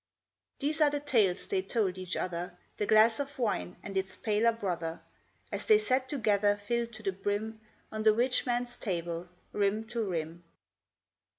These are the tales they told each other, The glass of wine and its paler brother, As they sat together, filled to the brim, On the rich man's table, rim to rim.